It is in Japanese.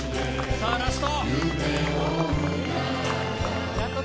さあ、ラスト。